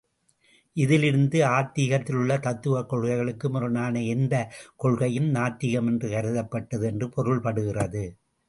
இதிலிருந்து ஆதிக்கத்திலுள்ள தத்துவக் கொள்கைகளுக்கு முரணான எந்தக் கொள்கையும் நாத்திகம் எனக் கருதப்பட்டது என்று பொருள்படுகிறது.